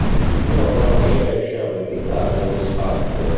Gigliola non ne riesce a vendicare il misfatto.